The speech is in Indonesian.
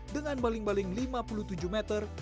dengan baling baling lima puluh tujuh meter